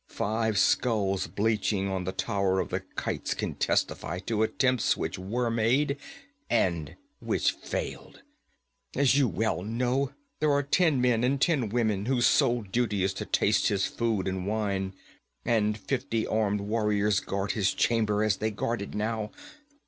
Five skulls bleaching on the Tower of the Kites can testify to attempts which were made and which failed. As you well know, there are ten men and ten women whose sole duty is to taste his food and wine, and fifty armed warriors guard his chamber as they guard it now.